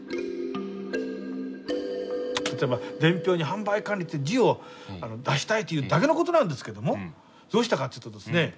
例えば伝票に「販売管理」という字を出したいというだけのことなんですけどもどうしたかっていうとですね